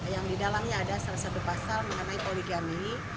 yang di dalamnya ada salah satu pasal mengenai poligami